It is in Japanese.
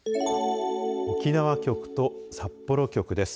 沖縄局と札幌局です。